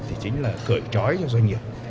thì chính là cởi trói cho doanh nghiệp